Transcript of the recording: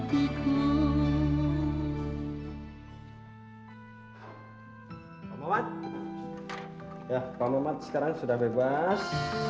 pak mohamad sekarang sudah bebas